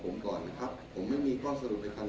คุณท่านนายก็ใช้มาตรา๔๔กันคุณว่าหรือครับ